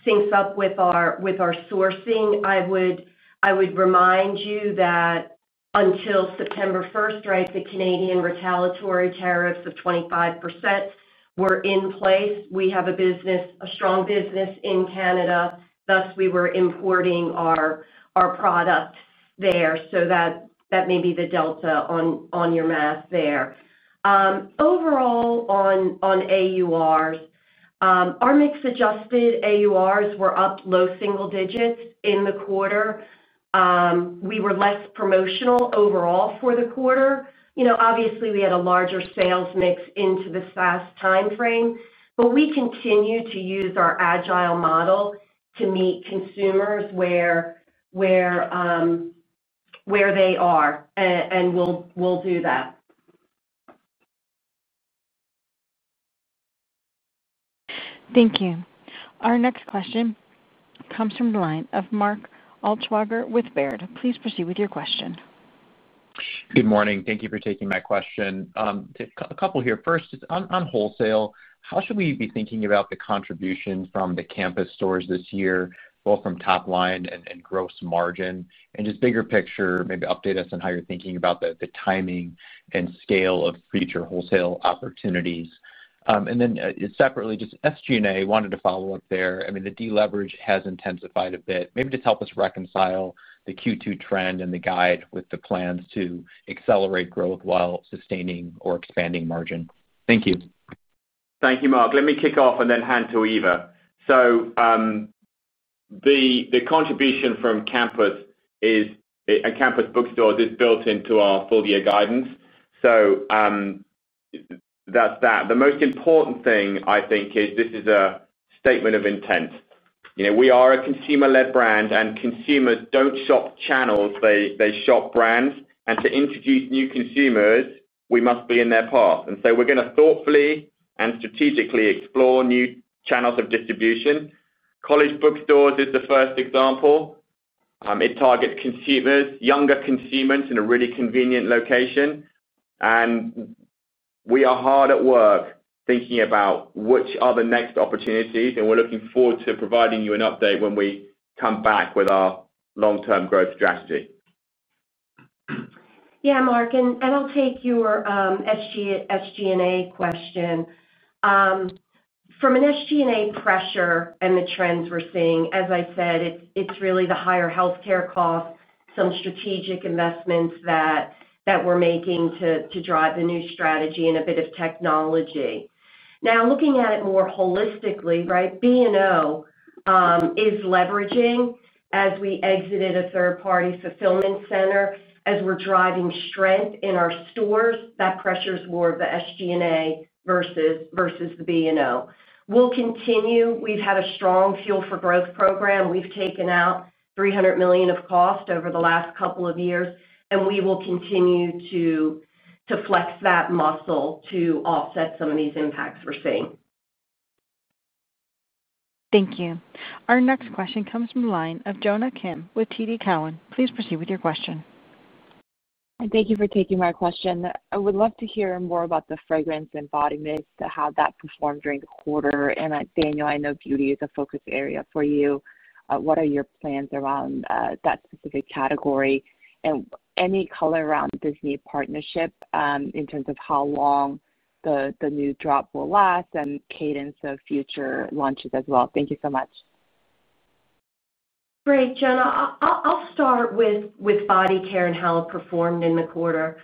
syncs up with our sourcing. I would remind you that until September 1, the Canadian retaliatory tariffs of 25% were in place. We have a business, a strong business in Canada. Thus, we were importing our product there. That may be the delta on your math there. Overall, on AURs, our mix-adjusted AURs were up low single digits in the quarter. We were less promotional overall for the quarter. Obviously, we had a larger sales mix into this last time frame, but we continue to use our agile model to meet consumers where they are, and we'll do that. Thank you. Our next question comes from the line of Mark Altschwager with Baird. Please proceed with your question. Good morning. Thank you for taking my question. A couple here. First, it's on wholesale. How should we be thinking about the contribution from the campus stores this year, both from top line and gross margin? Just bigger picture, maybe update us on how you're thinking about the timing and scale of future wholesale opportunities. Separately, just SG&A, I wanted to follow up there. I mean, the deleverage has intensified a bit. Maybe just help us reconcile the Q2 trend and the guide with the plans to accelerate growth while sustaining or expanding margin. Thank you. Thank you, Mark. Let me kick off and then hand to Eva. The contribution from campus and campus bookstores is built into our full-year guidance. That is that. The most important thing, I think, is this is a statement of intent. We are a consumer-led brand, and consumers do not shop channels. They shop brands. To introduce new consumers, we must be in their path. We are going to thoughtfully and strategically explore new channels of distribution. College bookstores is the first example. It targets younger consumers in a really convenient location. We are hard at work thinking about which are the next opportunities, and we are looking forward to providing you an update when we come back with our long-term growth strategy. Yeah, Mark, I'll take your SG&A question. From an SG&A pressure and the trends we're seeing, as I said, it's really the higher health care cost, some strategic investments that we're making to drive the new strategy, and a bit of technology. Now, looking at it more holistically, Bath & Body Works is leveraging as we exited a third-party fulfillment center, as we're driving strength in our stores. That pressures more of the SG&A versus the Bath & Body Works. We'll continue. We've had a strong Fuel for Growth program. We've taken out $300 million of cost over the last couple of years, and we will continue to flex that muscle to offset some of these impacts we're seeing. Thank you. Our next question comes from the line of Jonna Kim with TD Cowen. Please proceed with your question. Thank you for taking my question. I would love to hear more about the fragrance and body mix that had that performed during the quarter. Daniel, I know beauty is a focus area for you. What are your plans around that specific category? Any color around Disney partnership in terms of how long the new drop will last and cadence of future launches as well? Thank you so much. Great, Jonah. I'll start with body care and how it performed in the quarter.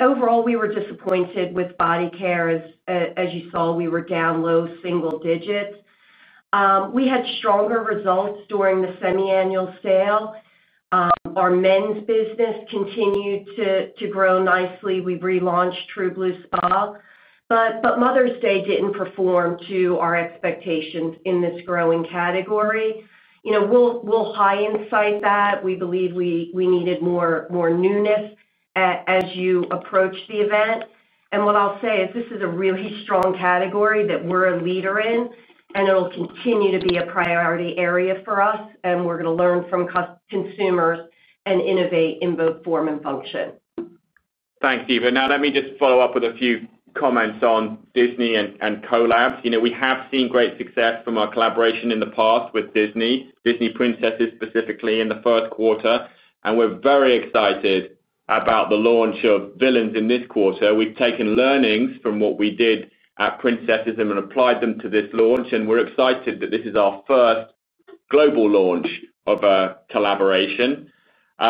Overall, we were disappointed with body care. As you saw, we were down low single digits. We had stronger results during the semi-annual sale. Our men's business continued to grow nicely. We relaunched True Blue Spa, but Mother's Day didn't perform to our expectations in this growing category. We believe we needed more newness as you approach the event. What I'll say is this is a really strong category that we're a leader in, and it'll continue to be a priority area for us, and we're going to learn from consumers and innovate in both form and function. Thanks, Eva. Now, let me just follow up with a few comments on Disney and collabs. We have seen great success from our collaboration in the past with Disney, Disney Princess specifically in the first quarter, and we're very excited about the launch of Villains in this quarter. We've taken learnings from what we did at Princess and applied them to this launch, and we're excited that this is our first global launch of a collaboration. There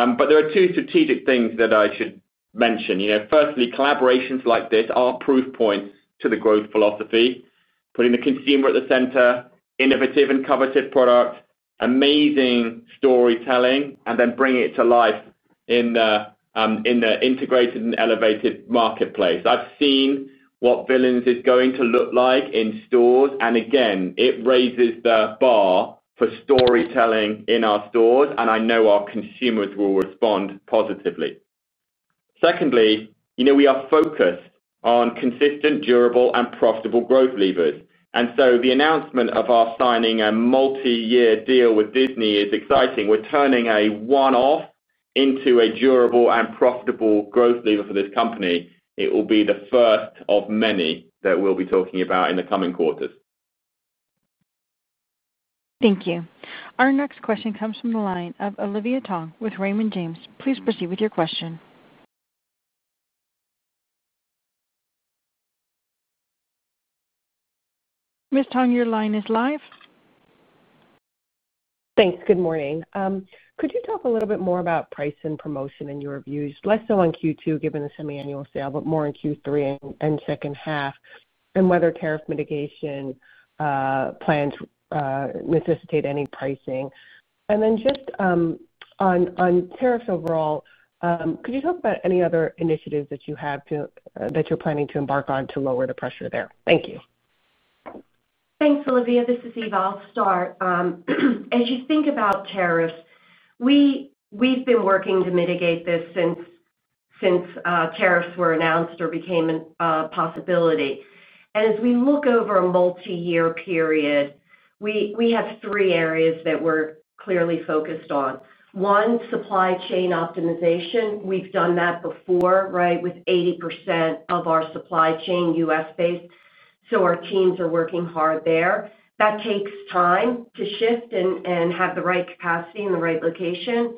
are two strategic things that I should mention. Firstly, collaborations like this are proof points to the growth philosophy, putting the consumer at the center, innovative and coveted products, amazing storytelling, and then bringing it to life in the integrated and elevated marketplace. I've seen what Villains is going to look like in stores, and again, it raises the bar for storytelling in our stores, and I know our consumers will respond positively. Secondly, we are focused on consistent, durable, and profitable growth levers. The announcement of our signing a multi-year deal with Disney is exciting. We're turning a one-off into a durable and profitable growth lever for this company. It will be the first of many that we'll be talking about in the coming quarters. Thank you. Our next question comes from the line of Olivia Tong with Raymond James. Please proceed with your question. Ms. Tong, your line is live. Thanks. Good morning. Could you talk a little bit more about price and promotion in your views, less so on Q2 given the semi-annual sale, but more in Q3 and second half, and whether tariff mitigation plans necessitate any pricing? Just on tariffs overall, could you talk about any other initiatives that you have that you're planning to embark on to lower the pressure there? Thank you. Thanks, Olivia. This is Eva. I'll start. As you think about tariffs, we've been working to mitigate this since tariffs were announced or became a possibility. As we look over a multi-year period, we have three areas that we're clearly focused on. One, supply chain optimization. We've done that before, right, with 80% of our supply chain U.S.-based. Our teams are working hard there. That takes time to shift and have the right capacity in the right location.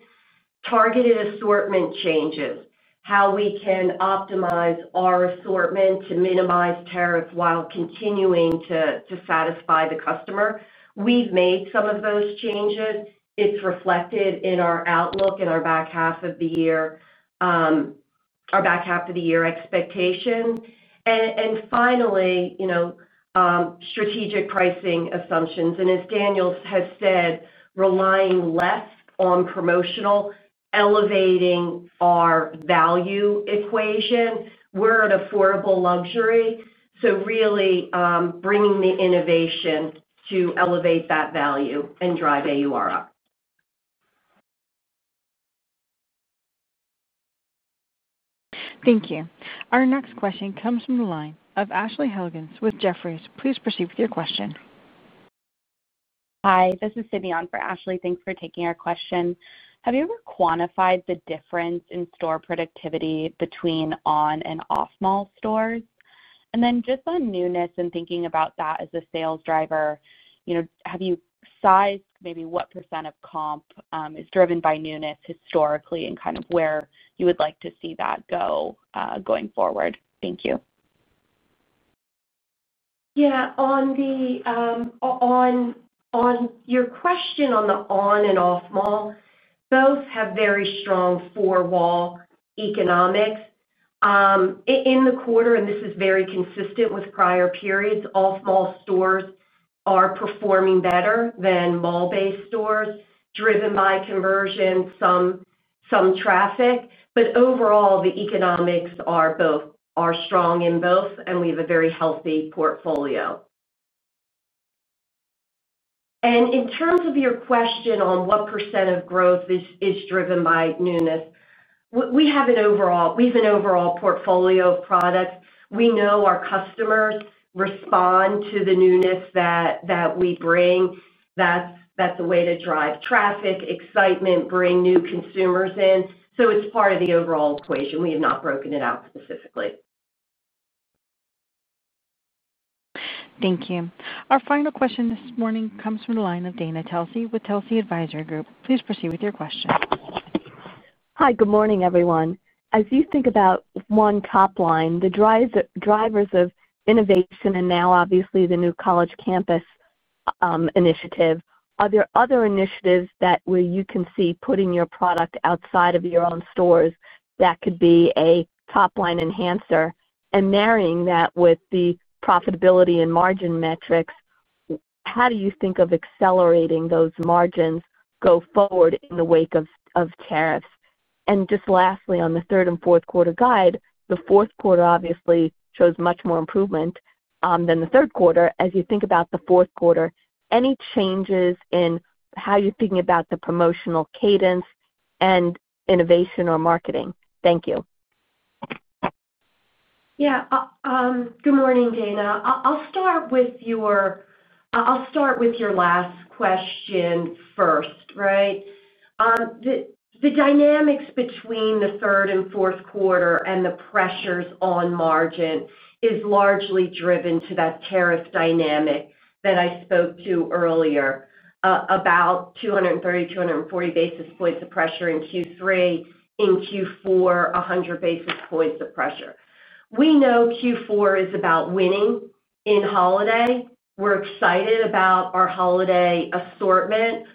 Targeted assortment changes, how we can optimize our assortment to minimize tariffs while continuing to satisfy the customer. We've made some of those changes. It's reflected in our outlook and our back half of the year, our back half of the year expectations. Finally, you know, strategic pricing assumptions. As Daniel has said, relying less on promotional, elevating our value equation. We're an affordable luxury. Really bringing the innovation to elevate that value and drive AUR up. Thank you. Our next question comes from the line of Ashley Helgans with Jefferies. Please proceed with your question. Hi, this is Sydney on for Ashley. Thanks for taking our question. Have you ever quantified the difference in store productivity between on and off mall stores? Just on newness and thinking about that as a sales driver, have you sized maybe what % of comp is driven by newness historically and kind of where you would like to see that go going forward? Thank you. Yeah, on your question on the on and off mall, both have very strong four-wall economics. In the quarter, and this is very consistent with prior periods, off mall stores are performing better than mall-based stores, driven by conversion, some traffic. Overall, the economics are both strong in both, and we have a very healthy portfolio. In terms of your question on what % of growth is driven by newness, we have an overall portfolio of products. We know our customers respond to the newness that we bring. That's the way to drive traffic, excitement, bring new consumers in. It's part of the overall equation. We have not broken it out specifically. Thank you. Our final question this morning comes from the line of Dana Telsey with Telsey Advisory Group. Please proceed with your question. Hi, good morning, everyone. As you think about one top line, the drivers of innovation and now obviously the new college campus initiative, are there other initiatives that you can see putting your product outside of your own stores that could be a top-line enhancer? Marrying that with the profitability and margin metrics, how do you think of accelerating those margins go forward in the wake of tariffs? Lastly, on the third and fourth quarter guide, the fourth quarter obviously shows much more improvement than the third quarter. As you think about the fourth quarter, any changes in how you're thinking about the promotional cadence and innovation or marketing? Thank you. Yeah. Good morning, Dana. I'll start with your last question first, right? The dynamics between the third and fourth quarter and the pressures on margin are largely driven by that tariff dynamic that I spoke to earlier, about 230, 240 basis points of pressure in Q3. In Q4, 100 basis points of pressure. We know Q4 is about winning in holiday. We're excited about our holiday assortment.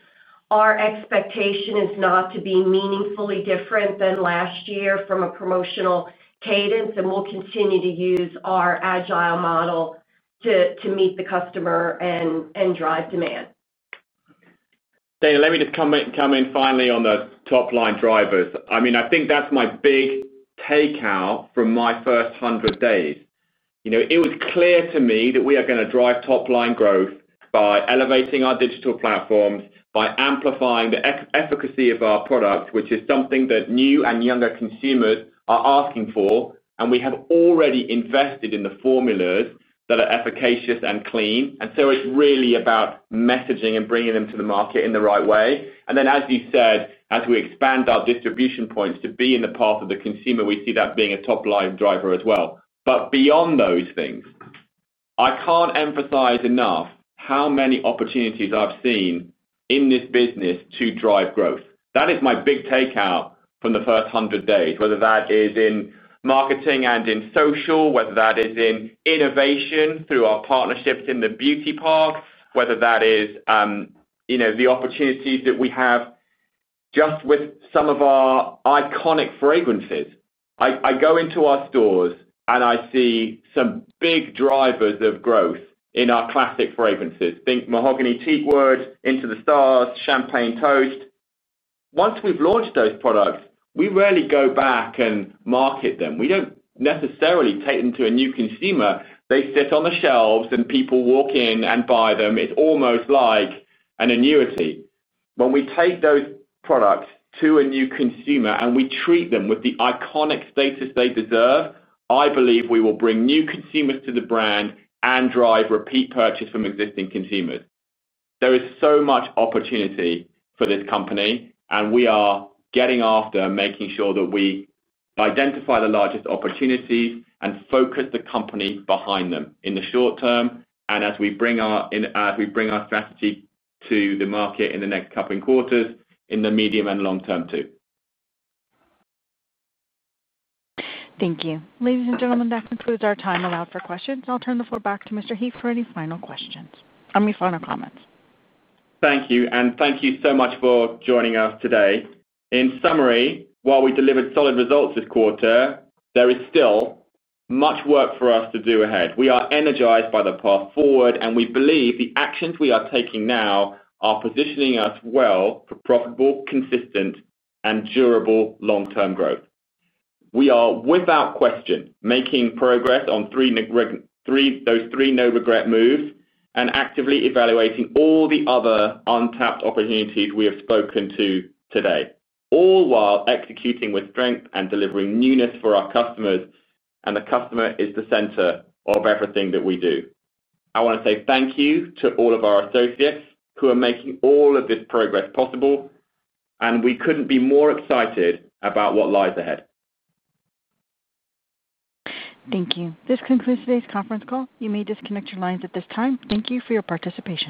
Our expectation is not to be meaningfully different than last year from a promotional cadence, and we'll continue to use our agile model to meet the customer and drive demand. Dana, let me just come in finally on the top-line drivers. I mean, I think that's my big takeout from my first 100 days. It was clear to me that we are going to drive top-line growth by elevating our digital platforms, by amplifying the efficacy of our products, which is something that new and younger consumers are asking for. We have already invested in the formulas that are efficacious and clean. It's really about messaging and bringing them to the market in the right way. As you said, as we expand our distribution points to be in the path of the consumer, we see that being a top-line driver as well. Beyond those things, I can't emphasize enough how many opportunities I've seen in this business to drive growth. That is my big takeout from the first 100 days, whether that is in marketing and in social, whether that is in innovation through our partnerships in the Beauty Park, whether that is the opportunities that we have just with some of our iconic fragrances. I go into our stores and I see some big drivers of growth in our classic fragrances. Think Mahogany Teakwood, Into the Stars, Champagne Toast. Once we've launched those products, we rarely go back and market them. We don't necessarily take them to a new consumer. They sit on the shelves and people walk in and buy them. It's almost like an annuity. When we take those products to a new consumer and we treat them with the iconic status they deserve, I believe we will bring new consumers to the brand and drive repeat purchase from existing consumers. There is so much opportunity for this company, and we are getting after making sure that we identify the largest opportunities and focus the company behind them in the short term, and as we bring our strategy to the market in the next couple of quarters in the medium and long term too. Thank you. Ladies and gentlemen, that concludes our time allowed for questions. I'll turn the floor back to Mr. Heaf for any final questions or any final comments. Thank you, and thank you so much for joining us today. In summary, while we delivered solid results this quarter, there is still much work for us to do ahead. We are energized by the path forward, and we believe the actions we are taking now are positioning us well for profitable, consistent, and durable long-term growth. We are, without question, making progress on those three no-regret moves and actively evaluating all the other untapped opportunities we have spoken to today, all while executing with strength and delivering newness for our customers, and the customer is the center of everything that we do. I want to say thank you to all of our associates who are making all of this progress possible, and we couldn't be more excited about what lies ahead. Thank you. This concludes today's conference call. You may disconnect your lines at this time. Thank you for your participation.